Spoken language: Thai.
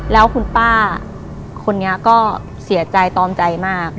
แล้วคุณป้าคนนี้ก็เสียใจตอมใจมาก